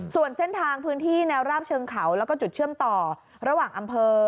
ส่วนเส้นทางพื้นที่แนวราบเชิงเขาแล้วก็จุดเชื่อมต่อระหว่างอำเภอ